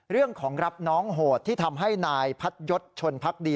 เรื่องของรับน้องโหดที่ทำให้นายพัดยศชนพักดี